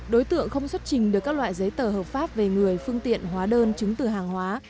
đối tượng không xuất trình được các loại giấy tờ hợp pháp về người phương tiện hóa đơn chứng từ hàng hóa